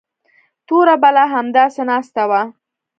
توره بلا همداسې ناسته وه.